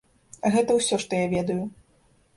Гэта ўсё, што я ведаю.